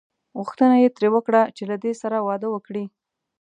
غوښتنه یې ترې وکړه چې له دې سره واده وکړي.